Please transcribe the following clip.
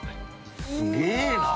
すげえな。